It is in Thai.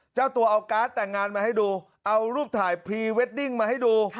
เจ้าตัวเอาการ์ดแต่งงานมาให้ดูเอารูปถ่ายพรีเวดดิ้งมาให้ดู